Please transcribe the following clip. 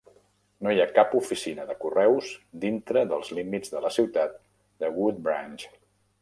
No hi ha cap oficina de correus dintre dels límits de la ciutat de Woodbranch.